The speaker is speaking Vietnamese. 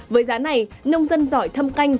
với giá này nông dân giỏi thâm canh